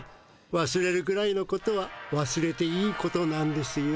わすれるくらいのことはわすれていいことなんですよ。